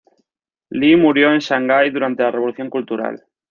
Li murió en Shanghai durante la Revolución Cultural.